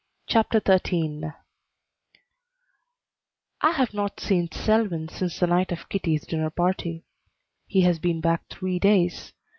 CHAPTER XIII I have not seen Selwyn since the night of Kitty's dinner party. He has been back three days.